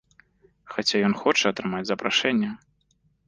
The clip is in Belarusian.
Хаця ён хоча атрымаць запрашэнне.